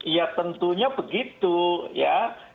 ya tentunya begitu ya